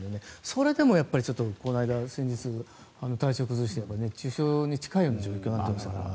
それでもこの間、先日体調を崩して熱中症に近いような状況になってますから。